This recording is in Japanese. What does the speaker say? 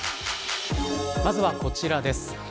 まずはこちらです。